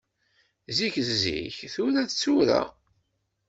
Zik d zik, tura d tura.